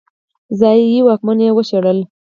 ځايي واکمنان وشړل.